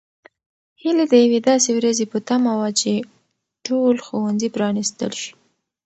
هیلې د یوې داسې ورځې په تمه وه چې ټول ښوونځي پرانیستل شي.